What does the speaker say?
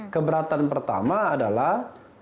keberatan pertama adalah